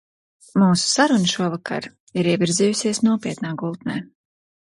Mūsu saruna šovakar ir ievirzījusies nopietnā gultnē.